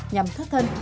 nhằm thất thân